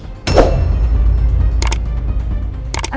kau kena paham